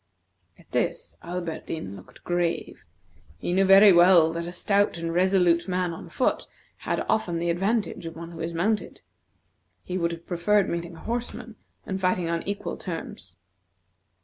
At this, Alberdin looked grave. He knew very well that a stout and resolute man on foot had often the advantage of one who is mounted. He would have preferred meeting a horseman, and fighting on equal terms.